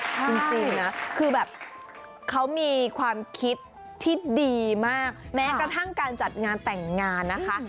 จริงนะคือแบบเขามีความคิดที่ดีมากแม้กระทั่งการจัดงานแต่งงานนะคะ